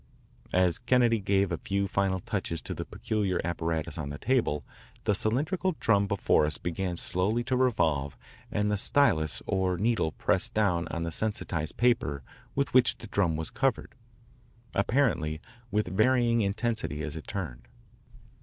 As Kennedy gave a few final touches to the peculiar apparatus on the table, the cylindrical drum before us began slowly to revolve and the stylus or needle pressed down on the sensitised paper with which the drum was covered, apparently with varying intensity as it turned.